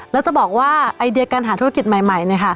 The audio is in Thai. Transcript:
แล้วจะบอกว่าไอเดียการหาธุรกิจใหม่